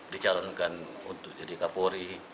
dicalonkan untuk jadi kapolri